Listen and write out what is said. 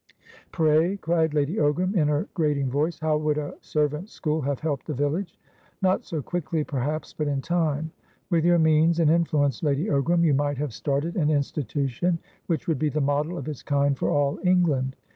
"Pray," cried Lady Ogram, in her grating voice, "how would a servants' school have helped the village?" "Not so quickly, perhaps, but in time. With your means and influence, Lady Ogram, you might have started an institution which would be the model of its kind for all England.